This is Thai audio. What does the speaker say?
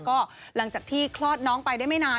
ก็หลังจากที่คลอดน้องไปได้ไม่นาน